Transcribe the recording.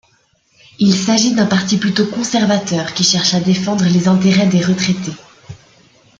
Il s'agit d'un parti plutôt conservateur qui cherche à défendre les intérêts des retraités.